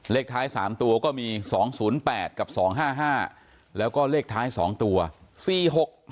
เลขท้ายสามตัวก็มีสองศูนย์แปดกับสองห้าห้าแล้วก็เลขท้ายสองตัวสี่หก